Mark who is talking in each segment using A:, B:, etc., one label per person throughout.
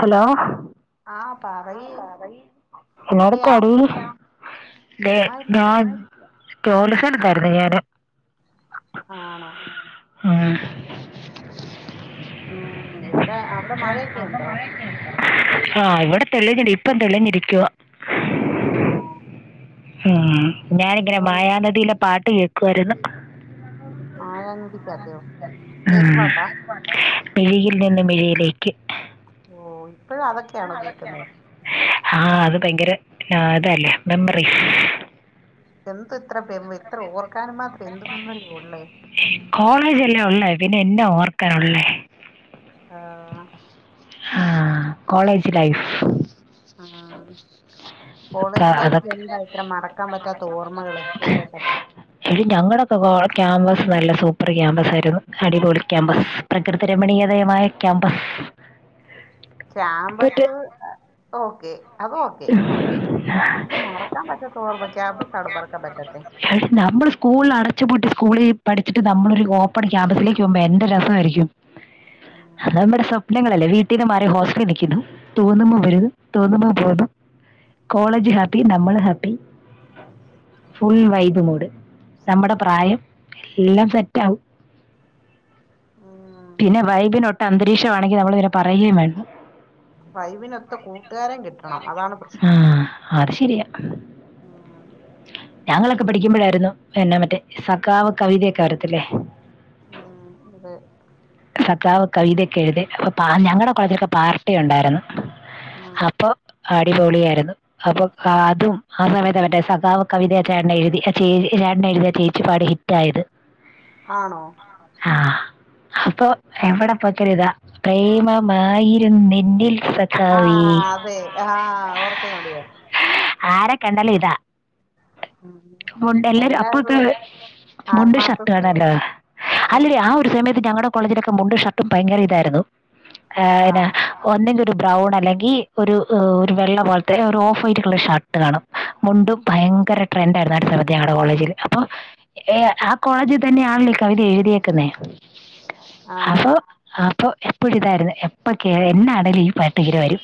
A: Hello.
B: ആഹ് പറയ്
A: ആഹ് പറയ് ഇന്നോട്
B: എവിടെയാ
A: പടി ദേ
B: ചുമ്മാ ഇരിക്കുവ
A: [unintelligible] [unintelligible]
B: ആണോ?
A: ഉം
B: ഉം ഇവടെ അവടെ മഴൊക്കെണ്ടോ?
A: ആഹ് ഇവടെ തെളിഞ്ഞെടീ ഇപ്പം തെളിഞ്ഞിരിക്കുവ.
B: ആഹ്
A: ഉം ഞാനിങ്ങനെ
B: പിന്നെ
A: മായാനദിയിലെ പാട്ട് കേക്കുവായിരുന്നു.
B: മായാനദി ക്ക്യക്കോ ഏത് പാട്ടാ?
A: മിഴിയിൽ ലെന്ന് മിഴിയിലേക്ക്.
B: ഓ ഇപ്പഴോ അതൊക്ക്യെണോ കേക്ക്ന്നെ.
A: ആഹ് അത് ഭയങ്കര [unintelligible] തല്ലേ മെമ്മറി.
B: എന്ത് ത്ര പെർവ് ഇത്ര ഓർക്കാനും മാത്രം എന്തു മെമ്മറിയുളെ.
A: കോളേജല്ലേ ഒള്ളേ പിന്നെ എന്നാ ഓർക്കാനുള്ളേ?
B: ആഹ്
A: ആഹ് കോളേജ് ലൈഫ്.
B: ആഹ് കോളേജ് ലൈഫിലെന്താ ഇത്ര മറക്കാൻ പറ്റാത്ത ഓർമ്മകള്
A: അതൊക്കെ
B: കേക്കട്ടെ
A: എടീ ഞങ്ങടെക്കെ കോ ക്യാമ്പസ് നല്ല സൂപ്പറ് ക്യാമ്പസായിരുന്നു അടിപൊളി ക്യാമ്പസ്. പ്രകൃതിരമണീയതയമായ ക്യാമ്പസ്. മറ്റേ
B: ക്യമ്പസ് ഓക്കെ അതൊക്കെ എന്ത് മറക്കാപറ്റാ ഓർമ ക്യാമ്പസാണ് മറക്കാൻ പറ്റാത്തെ
A: എടീ നമ്മള് സ്കൂളിൽ അടച്ച് പൂട്ടി സ്കൂളി പഠിച്ചിട്ട് നമ്മളൊരു ഓപ്പൺ ക്യാമ്പസിലേക്ക് പോവുമ്പോ എന്ത് രസവായിരിക്കും.
B: ഉം,
A: അതമ്മട സ്വപ് നങ്ങളല്ലേ വീട്ടീന്ന് മാറി ഹോസ്റ്റലിൽ നിക്കുന്നു തോന്ന്മ്പോ വെരും തോന്ന്മ്പോ പോകും. കോളേജ് ഹാപ്പി നമ്മള് ഹാപ്പി
B: ഓ
A: ഫുൾ
B: അങ്ങനെ
A: വൈബ് മൂഡ്. നമ്മടെ പ്രായം എല്ലാം സെറ്റാവും
B: ഉം
A: പിന്നെ വൈബിനൊട്ട അന്തരീക്ഷം ആണെങ്കിൽ നമ്മള് പിന്ന പറയും വേണ്ടാ
B: ഡ്രൈവിനൊത്ത കൂട്ടുകാരൻ കിട്ടണം അതാണ്
A: ആഹ് അത് ശരിയാ
B: ആഹ്
A: ഞങ്ങളൊക്കെ പഠിക്കുമ്പോഴാരുന്നു പിന്നെ മറ്റേ സഖാവ് കവിതയൊക്കെ വരത്തില്ലേ
B: ഉം അതെ
A: സഖാവ് കവിതയൊക്കെ എഴുതി അപ്പ പാ ഞങ്ങടെ കോളേജിലൊക്കെ പാർട്ടി ഒണ്ടായിരുന്നു
B: ഉം
A: അപ്പൊ അടിപൊളിയായിരുന്നു. അപ്പൊ അതും ആ സമയത്താ മറ്റെ സഖാവ് കവിത ആ ചേട്ടനെഴുതി ആ ചേ ചേട്ടനെഴുതി ആ ചേച്ചി പാടി ഹിറ്റായത്
B: ആണോ
A: ആഹ് അപ്പൊ എവിടെ പോയേച്ചാലും ഇതാ, പ്രേമമായിരുന്നെന്നിൽ സ
B: ആഹ് അതെ ആഹ് ഓർക്കുന്നുണ്ട് ഞാൻ
A: ആരെ കണ്ടാലും ഇതാ
B: ആഹ്
A: മുണ്ട്, എല്ലാരും അപ്പത്തെ മുണ്ടും
B: ആത്മാർത്ഥ
A: ഷർട്ടും ആണല്ലോ.
B: സ്നേഹവാ ഏഹ്
A: അല്ലടീ ആ ഒരു സമയത്ത് ഞങ്ങടെ കോളേജിലൊക്കെ മുണ്ടും ഷർട്ടും ഭയങ്കര ഇതായിരുന്നു,
B: ആഹ്
A: ഏഹ് എന്നാ
B: ആഹ്
A: ഒന്നങ്കി ഒരു ബ്രൗണ് അല്ലെങ്കി ഒരു ഒരു വെള്ള പോൽത്തെ ഒരു ഓഫ് വൈറ്റ് കളർ ഷർട്ട് കാണും മുണ്ടും ഭയങ്കര ട്രെൻഡായിരുന്നു ആ ഒരു സമത്ത് ഞങ്ങടെ കോളേജില്, അപ്പൊ ഏഹ് ആ കോളേജിൽ തന്നെയാണല്ലോ ഈ കവിത എഴുതിയേക്കുന്നേ
B: ആഹ്
A: അപ്പൊ അപ്പൊ എപ്പോഴുതായിരുന്നു എപ്പൊക്കെ എന്നാണേലും ഈ പാട്ടിങ്ങനെ വരും.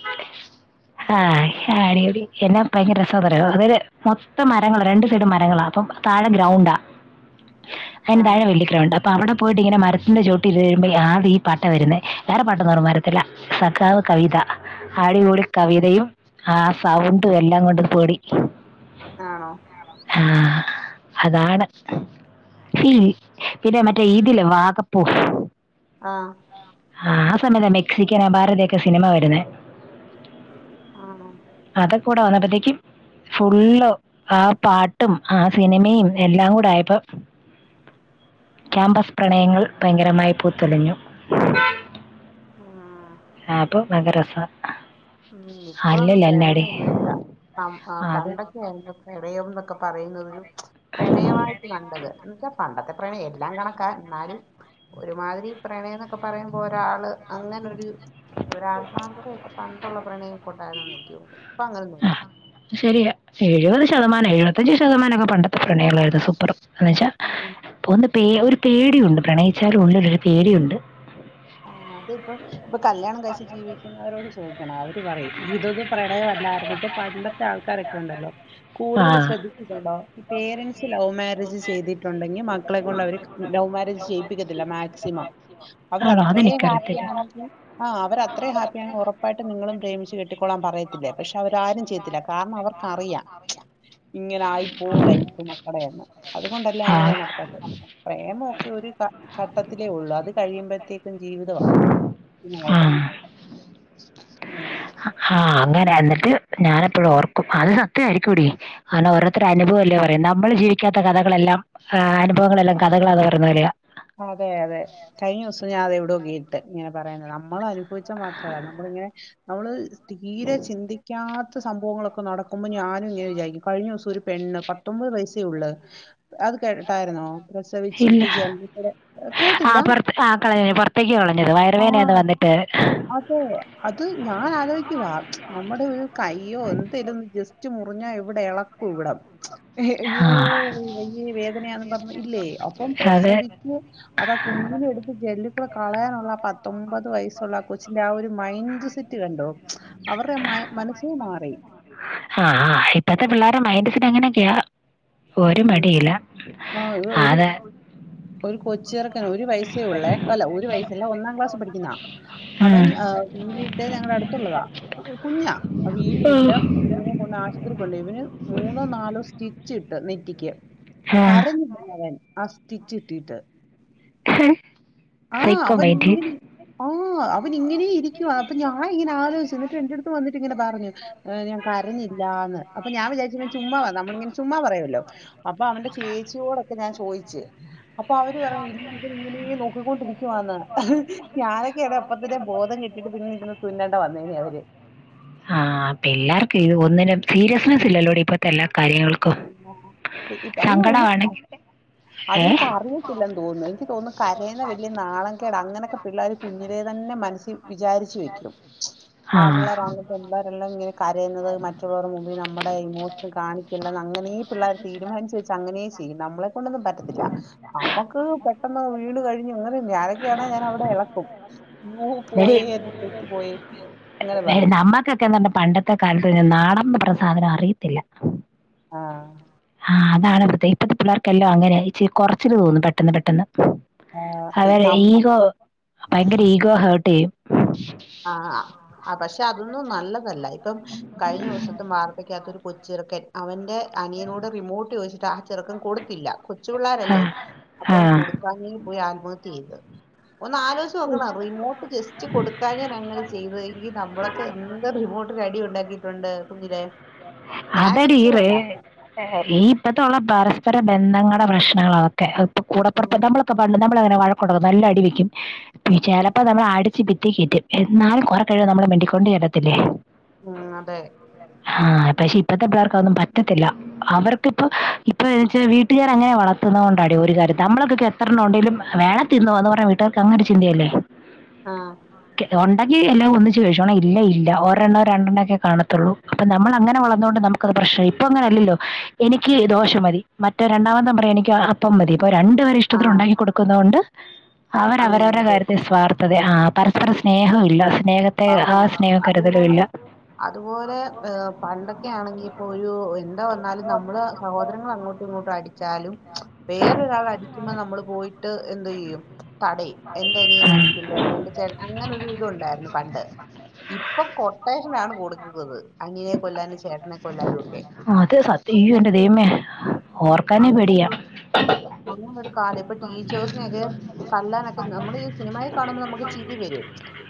B: ഓഹ്
A: ആഹ്
B: അങ്ങനെ
A: [unintelligible] എന്നാ ഭയങ്കര രസാന്നറിയോ. അതായത് മൊത്തം മരങ്ങളാ, രണ്ട് സൈഡും മരങ്ങളാ, അപ്പൊ താഴെ ഗ്രൗണ്ടാ അയിന് താഴെ
B: ആഹ്
A: വല്യ ഗ്രൗണ്ടാ അപ്പോ അവിടെ പോയിട്ട് ഇങ്ങനെ മരത്തിൻ്റെ ചോട്ടിൽ ഇരുന്നുകഴിയുമ്പോഴ് ആദ്യം ഈ പാട്ടാ വരുന്നേ, വേറെ പാട്ടൊന്നും അങ്ങട് വരത്തില്ല സഖാവ് കവിത. അടിപൊളി കവിതയും ആ സൗണ്ടും എല്ലാം കൊണ്ടു പൊളി
B: ആണോ
A: ആഹ് അതാണ് [unintelligible] പിന്നെ മറ്റേ ഇതില്ലേ വാകപ്പൂ
B: ആഹ്
A: ആഹ് ആ സമയത്താ മെക്സിക്കൻ അപാരതയൊക്കെ സിനിമ വരുന്നെ
B: ആണോ
A: അതൊക്ക്കൂടെ വന്നപ്പോത്തേക്കും ഫുള്ള് ആ പാട്ടും ആ സിനിമയും എല്ലാം കൂടെ ആയപ്പോ ക്യാമ്പസ് പ്രണയങ്ങൾ ഭയങ്കരമായി പൂത്തുലഞ്ഞു
B: ആഹ്
A: ആയപ്പൊ ഭയങ്കര രസാ
B: ഉം ഇപ്പൊന്നും പ്രണയൊന്നുല്ല, പ
A: അതെ
B: പണ്ടൊക്കെയായിരുന്നു പ്രണയം എന്നൊക്കെ പറയുന്നത് ഒരു പ്രണയമായിട്ട് കണ്ടത്, എന്ന് വച്ചാൽ പണ്ടത്തെ പ്രണയം എല്ലാം കണക്കാ എന്നാലും ഒരുമാതിരി പ്രണയം എന്നൊക്കെ പറയുമ്പോ ഒരാള് അങ്ങനൊരു ഒരാത്മാർത്ഥതയൊക്കെ പണ്ട് ഇപ്പൊള്ള പ്രണയം ഉണ്ടായിന്ന് എനിക്ക് തോന്നി ഇപ്പ അങ്ങനെന്നല്ല
A: ശരിയ എഴുപത് ശതമാനം എഴുപത്തഞ്ചു ശതമാനക്കെ പണ്ടത്തെ പ്രണയമായിരുന്നു സൂപ്പർ എന്നന്ന് വെച്ചാ
B: ആഹ്
A: പോകുന്ന പേ ഒരു പേടിയുണ്ട് പ്രണയിച്ചാരു ഉള്ള ഒരു പേടിയുണ്ട്
B: ആഹ് അതിപ്പോ ഇപ്പൊ കല്യാണം കഴ്ച്ചച്ച് ജീവിക്കുന്നവരോട് ചോദിക്കണം അവ [unintelligible] ഇതൊ പ്രണയമല്ലായിരുന്നു ഇപ്പൊ പണ്ടത്തെ ആൾക്കാരൊക്കെ ഉണ്ടല്ലോ
A: ആ
B: കൂടുതൽ ശ്രദ്ധ ണ്ടോ ഈ പേരന്റ്സ് ലവ് മാരേജ് ചെയ്തിട്ടുണ്ടെങ്കിൽ മക്കളെ കൊണ്ട് അവര് ലവ് മാരേജ് ചെയ്യിപ്പിക്കത്തില്ല മാ ക്സിമം അവര്
A: ആണോ
B: അത്രേ
A: അതെനിക്കറിയത്തില്ല
B: ഹാപ്പിയാണെങ്കിൽ ആഹ് അവർ അത്രയും ഹാപ്പിയാണ് ഉറപ്പായിട്ട് നിങ്ങളും പ്രേമിച്ച് കെട്ടിക്കൊള്ളാൻ പറയ ത്തില്ല പക്ഷെ അവരാരും ചെയ്യത്തില്ല കാരണം അവർക്ക്റിയാം ഇങ്ങനെ ആയി പോവും ലൈഫ് മക്കടെയന്ന് അതുകൊണ്ടല്ലേ
A: ആ
B: അങ്ങനെ നടക്കാത്തെ പ്രേമമൊക്കെ ഒരു ഘട്ടത്തിലേ ഉള്ളൂ അത് കഴിയുമ്പോഴത്തേക്ക് ജീവിതമാ
A: ആ
B: ഇങ്ങോട്ട് ഉം
A: ആഹ് അങ്ങനെ എന്നിട്ട് ഞാന എപ്പോഴും ഓർക്കും അത് സത്യമായിരിക്കുംടി ആണ് ഓരോരുത്തരനുഭവം അല്ലേ പറയും നമ്മൾ ജീവിക്കാത്ത കഥകളല്ലാംനുവം ഭവങ്ങളെല്ല കഥകളാെ പറയുന്ന പോലെയാ
B: അതെ അതെ കഴിഞ്ഞ ദിസം ഞാൻതത് എവിടെയക്കെ ഇട്ട് ഇങ്ങനെ പറയുന്നത് നമ്മള ചോയിച്ചാ മാത്രല്ല നമ്മള ഇങ്ങനെ നമ്മള് തീരെ ചിന്തിക്കാത്ത സംഭവങ്ങളൊക്കെ നടക്കുമ്പോ ഞാനും ഇങ്ങനെ വിചാരിക്കും കഴിഞ്ഞ ദിസം ഒരു പെണ്ണ് പത്തൊമ്പത് വയസേ ഉള്ള അത് കേട്ടട്ടായിരുന്നോ
A: ഇല്ല
B: പ്രസവെച്ചിട്ട് ജനലി
A: ആ പുറത്ത് ആ കളഞ്ഞ പുറത്തേക്ക് കളഞ്ഞത്
B: ആ
A: വയറവേനയാന്ന് വന്നിട്ട്
B: അതെ അത് ഞാൻ ആലോയിക്കവാ നമ്മുടെ ഒരു കയ്യോ എന്തേലും ജസ്റ്റ് ഒറ്റ് മുറിഞ്ഞാൽ ഇവിടെ ഇളക്കും ഇവിടം അയ്യോ
A: ആ
B: അയ്യേ വേദനയാന്ന് പറഞ്ഞു ഇല്ലേ അപ്പം
A: അത്
B: പ്രസവിക് അതാ കുഞ്ഞിന എടുത്ത് ജെല്ലിക്കൂടെ കളയാനുള്ള പത്തൊമ്പത് വയസ്സുള്ള ആ കൊച്ചിന്റെ ആ ഒരു മൈൻഡ് സെറ്റ് കണ്ടോ അവരുടെ മ മനസ്സെ മാറി
A: ആഹ് ആ ഇപ്പോഴത്തെ പിള്ളേരു മൈൻഡ സെറ്റ് എങ്ങനൊക്കെയാ ഒരു
B: ഉം.
A: മടിയില്ല
B: ആ, ഒരു ഒരു
A: അതെ
B: ഒരു കൊച്ചിറക്കന് ഒരു വയസ്സ ഒള്ളെ അല്ല ഒരു വയസല്ല ഒന്നാം ക്ലാസ് പഠിക്കുന്ന അവൻ
A: ഉം.
B: വീണീയിട്ട് ഞങ്ങളുടെ അടുത്തുള്ളതാ കുഞ്ഞാ വീണീയിട്ട് ഇവനെ കൊണ്ട് ആശുപത്രി കൊണ്ട് ഇവന് മൂന്നോ നാലോ സ്റ്റിച്ച് ഇട്ട് നെറ്റിക്ക്
A: ആ.
B: കരഞ്ഞില്ലന്നവൻ അസ്ഥിച്ചിട്ടിട്ട്
A: ഏഹ്
B: ആഹ് അവങ്ങനെ ആ അവൻ ഇങ്ങനെ ഇരിക്കുവ അപ്പ ഞാനങ്ങനെ ആലോയിച്ചു എന്നിട്ട് എന്റ അടുത്ത് വന്നിട്ട ഇങ്ങനെ പറഞ്ഞു കരഞ്ഞില്ലാന്ന് പ്പ ഞാൻ വിചാരിച്ച ചുമ്മാവ നമ്മളിങ്ങനെ ചുമ്മാ പറയല്ലോ അപ്പൊ അവന്റെ ചേച്ചിയോടൊക്കെ ഞാൻ ചോയിച്ച് അപ്പൊ അവര് പറയാ ഇ ഇവ ഇങ്ങനെയ നോ രിക്കുവാന്ന് ഞാനൊക്കെ ഇടടെ ഒപ്പത്തിന്റെ ബോധം കെട്ടിട്ട് പിന്നെ ഇര്ന്ന് തുന്നേണ്ട വന്നേന അവര്
A: ആഹ് അപ്പൊ എല്ലാർക്കുംത് ഒന്നിനും സീരിയസ്നെസ് ഇല്ലല്ലോ ഇപ്പൊ എല്ലാ കാര്യങ്ങൾക്കും
B: ശരി, ഇപ്പ- അല്ല ഒന്ന്
A: സങ്കടമാണെങ്കി ഏഹ്
B: ഇല്ലന്ന് തോന്നുന്നു എനിക്ക് തോന്നുന്നു കരയുന്ന വലിയ നാളംകേട അങ്ങനെയൊക്കെ പിള്ളേർ കുഞ്ഞിലെ തന്നെ മനസ്സി വിചാരിച്ച വെക്കും
A: ആ
B: ആമ്പിളരാ എള്ളാവരെല്ലാം ഇങ്ങനെ കരയുന്നത് മറ്റുള്ളവരു മുമ്പേ നമ്മുടെ ഇമോഷൻ കാണിക്ക [unintelligible] ന്ന് അങ്ങനേ പിള്ളേര് തീരുമാനിച്ച് വെച്ച് അങ്ങനേ ചെയ്യും നമ്മളേകൊണ്ടൊന്നും പറ്റത്തില്ല നമ്മക്ക് പെട്ടെന്ന് വീണ് കഴിഞ് വീണു ഞാനൊക്കെയാണെ ഞാൻ അവിടെ എളക്കും അയ്യോ
A: എടി,
B: പോയേ എന്റെ ചെരുപ്പ് പോയേ അങ്ങനെ പറയും
A: നമ്മക്കൊക്കെ എന്താ പണ്ടത്തെ കാലത്ത് നാണം പറഞ്ഞ സാദനം അറിയത്തില്ല
B: ആഹ്
A: ആഹ് അതാണ് പ്രത്യ ഇപ്പത്തെ പിള്ളേർക്കെല്ലോ അങ്ങനെയാ ഇച്ചിരി കൊറച്ചില് തോന്നു പെട്ടെന്ന് പെട്ടെന്ന് അവരെ
B: നമ്മ
A: ഈഗോ ഭയങ്കര ഈഗോ ഹേർട്ട് ചെയ്യും
B: ആഹ് ആ പക്ഷെ അതൊന്നും നല്ലതല്ല ഇപ്പം കഴിഞ്ഞ ദിവസത്തെ വാർത്തയ്ക്കാത്തൊരു കൊച്ചിറക്കൻ അവന്റെ അനിയനോട് റിമോട്ട് ചോയിച്ചിട്ട് ട്ടാചെറുക്കൻ കൊടുത്തില്ല കൊച്ചു
A: ആ
B: പിള്ളേരല്ലേ
A: ആ
B: അപ്പം കൊടു [unintelligible] പോയി ആത്മഹത്യ ചെയ്ത് ഒന്ന് ആലോയ്ച്ച്
A: ഉം.
B: നോക്ക് റിമോട്ട് ജസ്റ്റ് കൊടു കാഞ്ഞ് അങ്ങനെ ചെയ്തതെങ്കി നമ്മളൊക്കെ എന്ത്‌ റിമോട്ടിന് അടി ഉണ്ടാക്കിയിട്ടുണ്ട് കുഞ്ഞിലേ ഞാനൊക്കെ
A: അതെടി ഈ
B: ഇപ്പഴും
A: റേ
B: ഉണ്ടാക്കും
A: ഈ ഇപ്പത്തൊള്ള പരസ്പര ബന്ധങ്ങളുടെ പ്രശ്നങ്ങളാ അതൊക്കെ ഇപ്പ കൂടെപ്പെറപ്പ്
B: ഉം
A: നമ്മള് ക്കെ പണ്ട് നമ്മള് അങ്ങനെ വഴക്കൊടുക്ക നല്ല അടിവെക്കും
B: ഉം
A: ചെലപ്പോ നമ്മള് അട് ച്ച് ഭിത്തി കേറ്റും എന്നാലും കൊറെ കഴിയുമ്പോ നമ്മള് മിണ്ടിക്കൊണ്ട് ചെല്ലത്തില്ലേ
B: ഉം അതെ
A: ആഹ് പക്ഷേ ഇപ്പത്തെ പിള്ളേർക്ക് അതൊന്നും പറ്റത്തില്ല അവർക്ക് ഇപ്പ ഇപ്പ വെച്ച് വീട്ടുകാർ അങ്ങനെ വളർത്തുന്ന കൊണ്ടാടി ഒരു കാര്യം നമ്മളൊക്കെ എത്രണ്ണം ഒണ്ടേലും വേണെ തിന്നോന്ന് പറഞ്ഞ വീട്ടുകാർക്ക് അങ്ങനരു ചിന്തയല്ലേ
B: ആഹ്
A: ക്കെ ഒണ്ടെങ്കി എല്ലാം ഒന്നിച്ച് കഴിച്ചോണം ഇല്ലേ ഇല്ല ഒരെണ്ണം രണ്ടെണ്ണം ഒക്കെ കാണത്തൊള്ളൂ അപ്പൊ നമ്മള് അങ്ങനെ വളർന്നോകൊണ്ട് നമക്കത് പ്രഷ്നല്ല ഇപ്പ അങ്ങനെ അല്ലല്ലോ എനിക്ക് ദോശ മതി മറ്റേ രണ്ടാമത്തെ പറയാ എനിക്ക് അപ്പം മതി അപ്പോ രണ്ടുപേരെ ഇഷ്ടത്തിന്
B: ആഹ്
A: ഒണ്ടാക്കി കൊടുക്കുന്ന കൊണ്ട് അവര് അവരെ
B: അങ്ങനെ അതെ
A: സ്വാർത്ഥതയാ ആഹ് പരസ്പരം സ്നേഹം ഇല്ല സ്നേഹത്തെ ആ
B: ആഹ്
A: സ്നേഹം
B: അത്
A: കരുതലൂല്ല
B: അതുപോലെ എ പണ്ടൊക്കെ ആണെങ്കി ഇപ്പോ ഒരു എന്തോ വന്നാലും നമ്മള് സഹോദങ്ങള് അങ്ങോട്ടും ഇങ്ങോട്ടും അടി ച്ചാലും വേറൊരാള് അടിക്കുമ്പോ നമ്മള് പോയിട്ട് എന്തോ ചെയ്യും തടയും എന്റെ അനിയനെ
A: ഉം.
B: അടിക്കില്ല അല്ല എന്റെ ചേട്ടനെ അങ്ങനെ ഒരു ഇതുണ്ടായിരുന്നു പണ്ട് ഇപ്പം കൊട്ടേഷനാണ് കൊടുക്കുന്നത് അനിയനെ കൊല്ലാനും ചേട്ടനെ കൊല്ലാനും ഒക്കെ
A: ആഹ് അത് സത്യം യ്യോ ന്റെ
B: അങ്ങനത്തെ ഒരു
A: ദൈവമേ ഓർക്കാനേ
B: അങ്ങനെ
A: പേടിയാ
B: അങ്ങനെ ഒരു കാലം ഇപ്പൊ ട്ടീച്ചേഴ്സിനെ ഒക്കെ തല്ലാനൊക്കെ നമ്മള് ഈ സിനിമായിൽ കാണുമ്പോ നമുക്ക് ചിരി വരും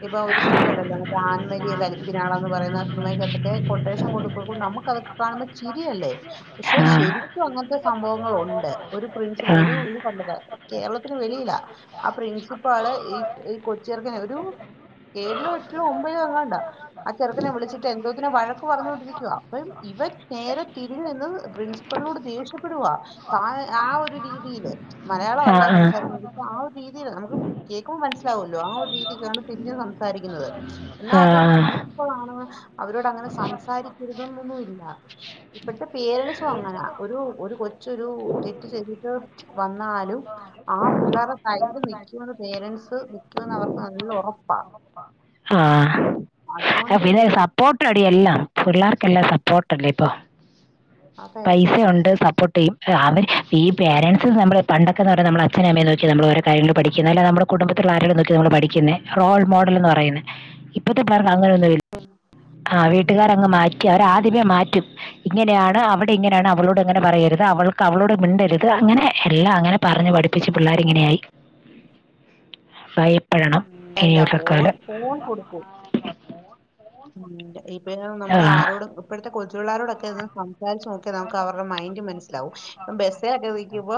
B: ഇപ്പൊ ഒരു സ് സിനിമയണ്ടല്ലോ മറ്റെ ആന്മരിയ കലപ്പിനാണന്ന് പറയുന്ന ആ സിമയ്ക്കാത്തൊക്കെ കൊട്ടേഷൻ കൊണ്ട് നമുക്കതൊക്കെ കാണുമ്പോ ചിരിയല്ലേ പക്ഷേ
A: ആ
B: ശരിക്കും അങ്ങനത്തെ സംഭവങ്ങൾ ഒണ്ട് ഒരു പ്രിൻസി
A: ആ
B: ഒരു ഇത് കണ്ടതാ കേരളത്തിന് വെളിയിലാ ആ പ്രിൻസിപ്പാള് ഈ ഈ കൊച്ചിറക്കനെ ഒരു ഏഴിലോ എട്ടിലോ ഒമ്പലോ അങ്ങാണ്ടാ ആ ചെറുക്കനെ വിളിച്ചിട്ട് എന്തോത്തിനൊ വഴക്ക് പറഞ്ഞുകൊണ്ടിരിക്കുവ അപ്പൊ ഇവൻ നേരെ തിരിഞ്ഞ് നിന്ന് പ്രിൻസി പ്പളിനോട് ദേഷ്യപ്പെടുവാ ആ ഒരു രീതിയില്
A: ആ
B: മലയാളമല്ല സംസാരിക്കുന്നത് അപ്പ ആ ഒരു രീതല് നമുക്ക് കേക്കുമ്പോൾ മനസ്സിലാവല്ലോ ആ ഒരു രീതിക്കാണ് തിരിഞ്ഞ് സംസാരിക്കുന്നത് എന്നാ
A: ആ
B: അതൊരു
A: ആ
B: പ്രിൻസിപ്പളാണ് അവരോട് അങ്ങനെ സംസാരിക്കരുതൊന്നും ഇല്ല ഇപ്പത്തെ പേരെന്റ്സു അങ്ങനാ ഒരു ഒരു കൊ കൊച്ചൊരു തെറ്റ് ചെയ്തിട്ട് വന്നാലും ആ പിള്ളേരു സൈഡ് നിക്കുവെന്നു പേരൻസ് നിക്കുമെന്ന് അവർക്ക് നല്ല ഉറപ്പാ
A: ആ എ
B: അതുകൊണ്ട് ഇത്
A: പിന്നെ
B: തീ-
A: സപ്പോർട്ട് അടി എല്ലാം പിള്ളേർക്കെല്ലാം സപ്പോർട്ട് അല്ലേ ഇപ്പൊ.
B: അതെ
A: പൈസ ഒണ്ട് സപ്പോർട്ട് ചെയ്യും. അവര് ഈ പേരൻസ് നമ്മള് പണ്ടൊക്കെന്ന് ന്നറിന്ന നമ്മള് അഛനേം അമ്മേം നോക്കി നമ്മള് ഓരോ കാര്യങ്ങളും പഠിക്കുന്നേ അല്ലേ നമ്മള് കുടുംബത്ത് ഇള്ള ആരേലും നോക്കി നമ്മള് പഠിക്കുന്നേ റോൾ മോഡൽ എന്ന് പറയുന്നേ. ഇപ്പത്തെ പേർക്ക് അങ്ങനെന്നു ആ
B: തപ്പും.
A: വീട്ടുകാരേ അങ്ങ് മാറ്റി അവര് ആദ്യമേ മാറ്റും. ഇങ്ങനെയാണ് അവടെ ഇങ്ങനെയാണ് അവളോട് അങ്ങനെ പറയരുത് അവൾക്ക് അവളോട് മിണ്ടരുത് അങ്ങനെ എല്ലാം അങ്ങനെ പറഞ്ഞ് പഠിപ്പിച്ച് പിള്ളേരിങ്ങനെയായി ഭയപ്പെടണം
B: ഉം, എന്താ ഫോൺ
A: ഇനിയുള്ളക്കാലം.
B: ഫോൺ കൊടുക്കു ഉം ഇപ്പൊ നമ്മൾ
A: ആ.
B: ആരോടും ഇപ്പഴത്തെ കൊച്ചു പിള്ളാരോടൊക്കെ ഇന്ന് നമ് [unintelligible] ചോയ്ക്ക നമുക്ക് അവരുടെ മൈൻഡ് മൻസ്സിലാവും. ഇപ്പ ബസ്സ്ലൊക്കെ ഇരിക്കുമ്പോ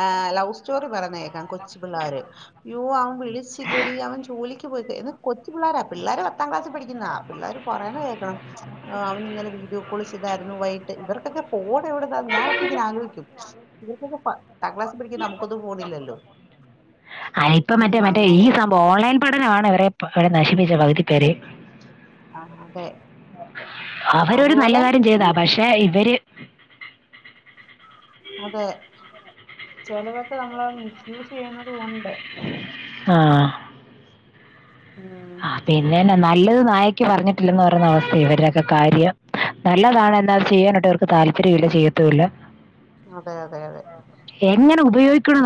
B: ആ ലവ് സ്റ്റോറി പറയ്ന്നേ കേൾക്കാം കൊച്ചു പിള്ളാര് അയ്യോ അവൻ വിളിച്ചില്ലെടി അവൻ ജോലിക്ക് ഇത് കൊച്ച് പിള്ളാരാ പിള്ളേര പത്താം ക്ലാസിൽ പഠിക്കുന്ന. പിള്ളേർ പറയണ കേൾക്കണം അവൻ ഇന്നലെ വീഡിയോ കോൾ ചെയ്തായിരുന്നു വൈകീട്ട് ഇവർക്കൊക്കെ ഫോൺ എവടെ [unintelligible] ഞാനപ്പ ഇങ്ങനെ ആലോയ്ക്കും ഇവർക്കൊക്കെ പത്താം ക്ലാസ്ൽ പഠിക്കുന്ന നമുക്കൊന്നും ഫോണില്ലാലോ.
A: അ ഇപ്പ മറ്റേ മറ്റേ ഈ സംഭവം ഓൺലൈൻ പഠനമാണ് ഇവരേ [unintelligible] നശിപ്പിച്ചേ പകുതി പേരേയും.
B: ആഹ് അതെ
A: അവരൊരു നല്ല
B: അതുപോലെ
A: കാര്യം ചെയ്താ
B: ഉം,
A: പക്ഷെ ഇവര്
B: അതെ ചെലതൊക്കെ നമ്മളെ മിസ്യൂസ് ചെയ്യുന്നതും ഉണ്ട്.
A: ആഹ്
B: ഉം
A: പിന്നെന്നെ നല്ലത് നായക്കി പറഞ്ഞിട്ടില്ലന്ന് പറയുന്ന അവസ്ഥ ഇവരുടെക്കെ കാര്യം. നല്ലതാണേ എന്നാല് ചെയ്യാനിട്ടവർക്ക് താല്പര്യല്ല ചെയ്യത്തൂല്ല.
B: അതെ അതെ അതെ
A: എങ്ങനെ ഉപയോഗിക്കണ